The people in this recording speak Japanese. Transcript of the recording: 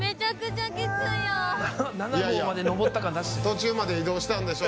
途中まで移動したんでしょ